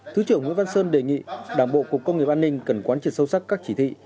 thứ trưởng nguyễn văn sơn đề nghị đảng bộ cục công nghiệp an ninh cần quan trị sâu sắc các chỉ thị